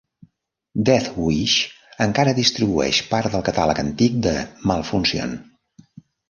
Deathwish encara distribueix part del catàleg antic de Malfunction.